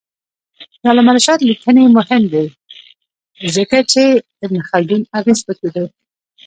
د علامه رشاد لیکنی هنر مهم دی ځکه چې ابن خلدون اغېز پکې دی.